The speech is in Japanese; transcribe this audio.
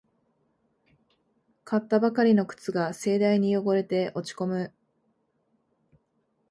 買ったばかりの靴が盛大に汚れて落ちこむ